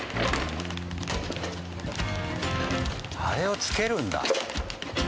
あれをつけるんだ。